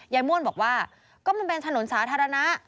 ม่วนบอกว่าก็มันเป็นถนนสาธารณะ